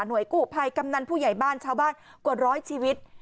หน่วยกุภัยกำนันผู้ใหญ่บ้านเช้าบ้านกว่าร้อยชีวิต